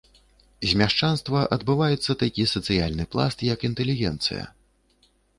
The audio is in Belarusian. З мяшчанства адбываецца такі сацыяльны пласт як інтэлігенцыя.